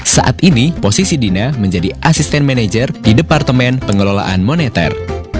saat ini posisi dina menjadi asisten manajer di departemen pengelolaan moneter